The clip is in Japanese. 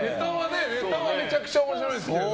ネタはめちゃくちゃ面白いですけどね。